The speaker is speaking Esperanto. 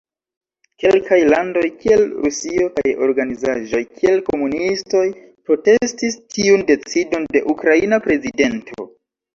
Kelkaj landoj, kiel Rusio, kaj organizaĵoj, kiel komunistoj, protestis tiun decidon de ukraina prezidento.